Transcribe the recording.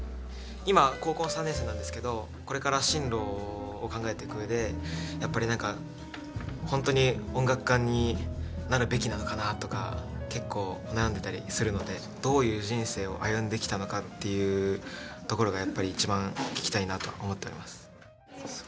今高校３年生なんですけどこれから進路を考えていくうえでやっぱりなんかほんとに音楽家になるべきなのかなとか結構悩んでたりするのでどういう人生を歩んできたのかっていうところがやっぱり一番聞きたいなと思っております。